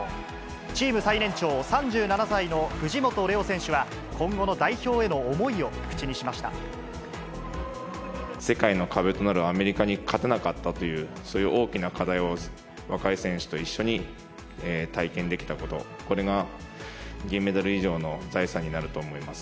チーム最年長３７歳の藤本怜央選手は、今後の代表への思いを口に世界の壁となるアメリカに勝てなかったという、そういう大きな課題を、若い選手と一緒に体験できたこと、これが銀メダル以上の財産になると思います。